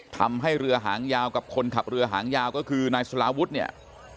ทำให้เรือหางยาวกับคนขับเรือหางยาวก็คือนายสลาวุฒิเนี่ย